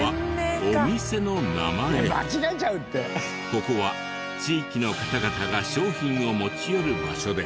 ここは地域の方々が商品を持ち寄る場所で。